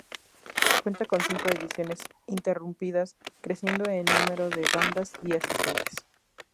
Cuenta con cinco ediciones ininterrumpidas, creciendo en número de bandas y asistentes.